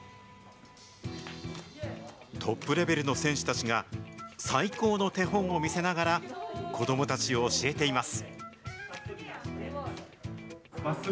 トップレベルの選手たちが、最高の手本を見せながら、子どもたちを教えています。